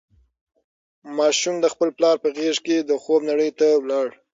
ماشوم د خپل پلار په غېږ کې د خوب نړۍ ته لاړ.